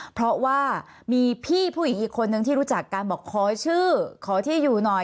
เพราะว่ามีพี่ผู้หญิงอีกคนนึงที่รู้จักกันบอกขอชื่อขอที่อยู่หน่อย